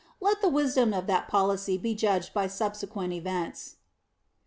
Let the wisdom of that policy be judged by subsequent events....